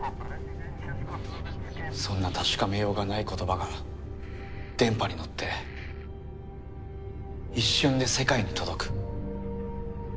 そんな確かめようがない言葉が電波に乗って一瞬で世界に届く。